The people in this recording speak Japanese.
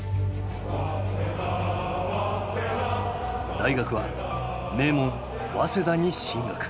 大学は名門早稲田に進学。